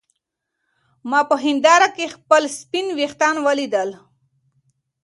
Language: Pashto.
ما په هېنداره کې خپل سپین ويښتان ولیدل.